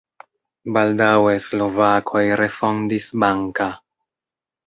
Baldaŭe slovakoj refondis Banka.